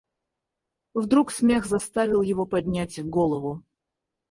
Вдруг смех заставил его поднять голову.